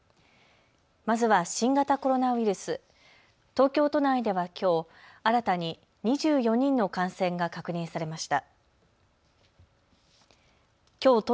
まずは新型コロナウイルス、東京都内ではきょう新たに２４人の感染が確認されました。